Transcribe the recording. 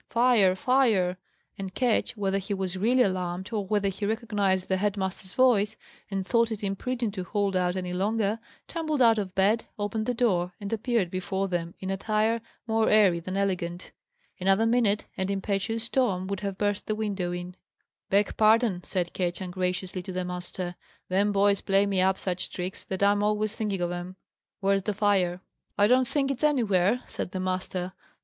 "Fire! fire!" And Ketch, whether he was really alarmed, or whether he recognized the head master's voice, and thought it imprudent to hold out any longer, tumbled out of bed, opened the door, and appeared before them in attire more airy than elegant. Another minute, and impetuous Tom would have burst the window in. "Beg pardon," said Ketch, ungraciously, to the master. "Them boys play me up such tricks, that I'm always thinking of 'em. Where's the fire?" "I don't think it's anywhere," said the master.